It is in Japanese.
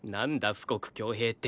富国強兵って。